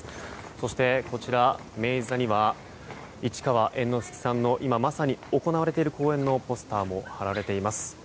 そして、明治座には市川猿之助さんの今まさに行われている公演のポスターも貼られています。